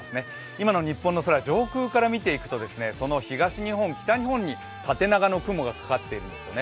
今の日本の空、上空から見ていきますとその東日本、北日本に縦長の雲がかかっているんですよね。